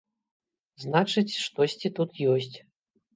Значыць, штосьці тут ёсць.